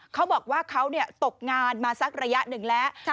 เขาบอกว่าเขาตกงานมาสักระยะหนึ่งแล้ว